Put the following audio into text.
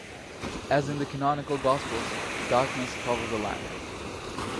As in the canonical Gospels, darkness covers the land.